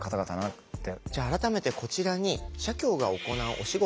じゃあ改めてこちらに社協が行うお仕事